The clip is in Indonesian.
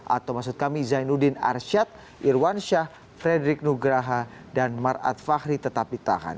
atau maksud kami zainuddin arsyad irwansyah frederick nugraha dan marat fakhri tetap ditahan